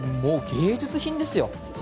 芸術品ですよ。